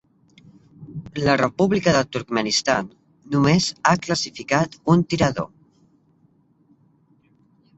La República de Turkmenistan només ha classificat un tirador.